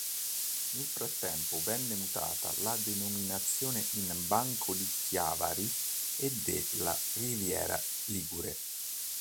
Nel frattempo venne mutata la denominazione in Banco di Chiavari e della Riviera Ligure.